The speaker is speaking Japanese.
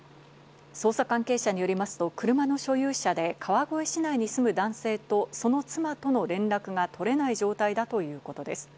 捜査関係者によりますと車の所有者で、川越市内に住む男性とその妻との連絡が取れない状態だということです。